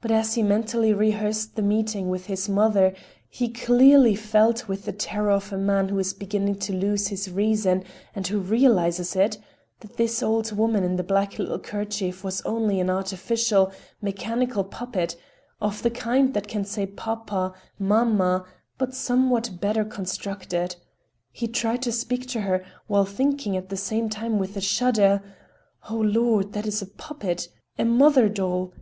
But as he mentally rehearsed the meeting with his mother he clearly felt with the terror of a man who is beginning to lose his reason and who realizes it, that this old woman in the black little kerchief was only an artificial, mechanical puppet, of the kind that can say "pa pa," "ma ma," but somewhat better constructed. He tried to speak to her, while thinking at the same time with a shudder: "O Lord! That is a puppet. A mother doll.